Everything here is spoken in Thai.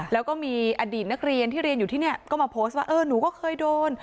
แล้วก็มีอดีตนักเรียนที่เรียนอยู่ที่นี่ก็มาโพสต์ว่าเออหนูก็เคยโดน